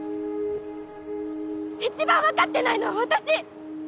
一番分かってないのは私！